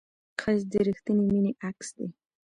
ښایست د رښتینې مینې عکس دی